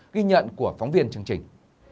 ghi nhận của phóng viên chương trình